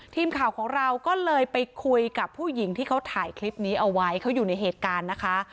ทีมข่าวของเราก็เลยไปคุยกับผู้หญิงที่เขาถ่ายคลิปนี้เอาไว้เขาอยู่ในเหตุการณ์นะคะ